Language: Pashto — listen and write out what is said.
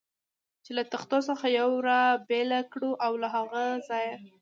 چې له تختو څخه یوه را بېله کړو او له هغه ځایه.